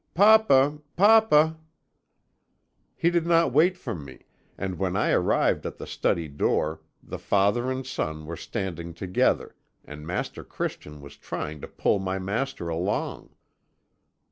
Papa, papa!' "He did not wait for me, and when I arrived at the study door, the father and son were standing together, and Master Christian was trying to pull my master along.